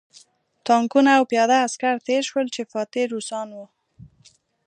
ټانکونه او پیاده عسکر تېر شول چې فاتح روسان وو